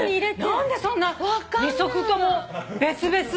何でそんな２足とも別々の。